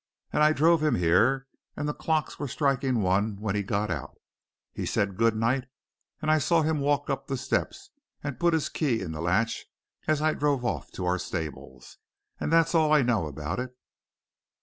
and I drove him here, and the clocks were striking one when he got out. He said 'Good night,' and I saw him walk up the steps and put his key in the latch as I drove off to our stables. And that's all I know about it."